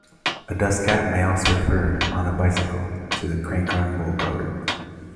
A dustcap may also refer, on a bicycle, to the crankarm bolt cover.